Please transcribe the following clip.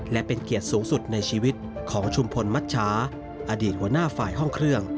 และเป็นเกียรติสูงสุดในชีวิตของชุมพลมัชชาอดีตหัวหน้าฝ่ายห้องเครื่อง